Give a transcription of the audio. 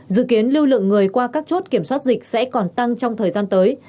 dự kiến lưu lượng người qua các chốt kiểm soát dịch sẽ còn tăng trong thời gian tới